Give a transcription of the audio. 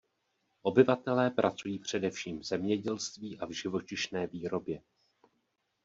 Obyvatelé pracují především v zemědělství a v živočišné výrobě.